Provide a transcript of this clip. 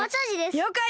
りょうかい！